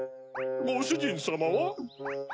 ごしゅじんさまは？